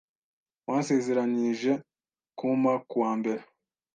wansezeranije kumpa kuwa mbere ”